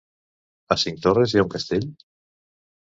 A Cinctorres hi ha un castell?